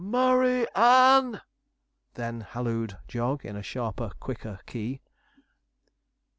'MURRAY ANN!' then hallooed Jog, in a sharper, quicker key.